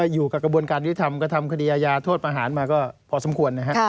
อยู่กับกระบวนการวิทธิภาพกระทำขณียายาโทษประหารมาก็พอสมควร